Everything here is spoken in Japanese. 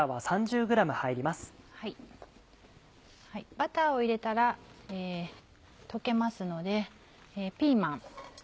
バターを入れたら溶けますのでピーマン。